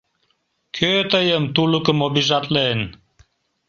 — Кӧ тыйым, тулыкым, обижатлен?